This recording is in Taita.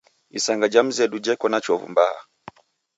Isanga jha mzedu jheko na chovu mbaha.